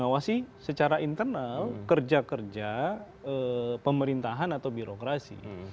maka siapa lagi yang mengawasi secara internal kerja kerja pemerintahan atau birokrasi